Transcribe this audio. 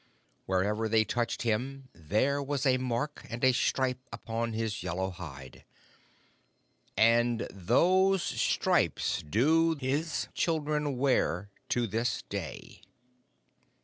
Wherever they touched him there was a mark and a stripe upon his yellow hide. _And those stripes do his children wear to this day!